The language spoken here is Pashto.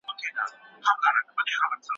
په دولتي او غير دولتي ادارو کي فساد له منځه يوسئ.